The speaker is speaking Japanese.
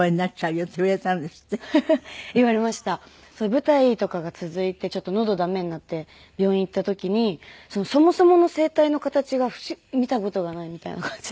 舞台とかが続いてちょっとのど駄目になって病院行った時にそもそもの声帯の形が見た事がないみたいな感じで。